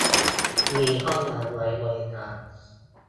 มีห้องน้ำไว้บริการ